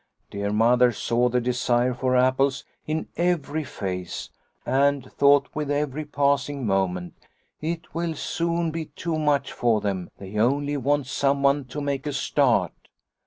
" Dear Mother saw the desire for apples in every face, and thought with every passing moment :' It will soon be too much for them, they only want someone to make a start.'